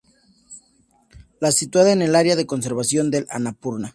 Se sitúa en el Área de Conservación del Annapurna.